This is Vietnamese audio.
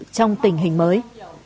tình hình mới